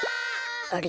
あれ？